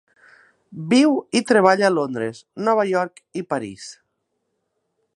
Viu i treballa a Londres, Nova York i París.